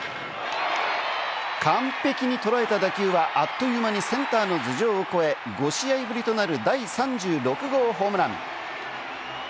完璧に捉えた打球は、あっという間にセンターの頭上を越え、５試合ぶりとなる第３６号ホームラン！